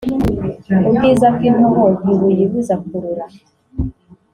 Ubwiza bw’intobo ntibuyibuza kurura.